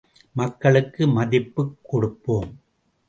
மக்களுக்கு மதிப்புக் கொடுப்போம்.